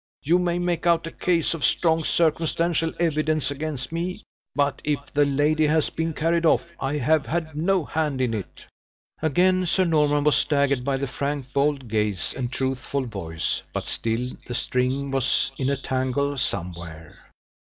You may make out a case of strong circumstantial evidence against me; but if the lady has been carried off, I have had no hand in it." Again Sir Norman was staggered by the frank, bold gaze and truthful voice, but still the string was in a tangle somewhere.